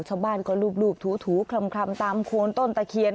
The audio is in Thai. ชาวบ้านก็ลูบถูคลำตามโคนต้นตะเคียน